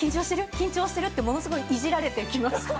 緊張してる？って、ものすごい、いじられてきました。